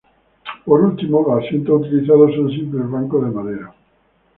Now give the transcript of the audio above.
Por último, los asientos utilizados son simples bancos de madera.